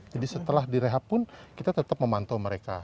setelah direhab pun kita tetap memantau mereka